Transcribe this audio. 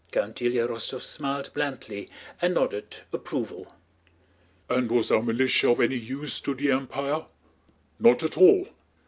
Count Ilyá Rostóv smiled blandly and nodded approval. "And was our militia of any use to the Empia? Not at all!